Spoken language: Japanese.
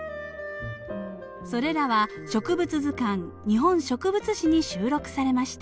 それらは植物図鑑「日本植物誌」に収録されました。